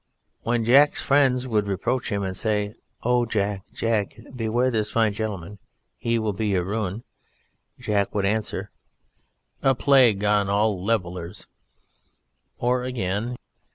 When Jack's friends would reproach him and say, "Oh, Jack, Jack, beware this fine gentleman; he will be your ruin," Jack would answer, "A plague on all levellers," or again, "What if he be a gentleman?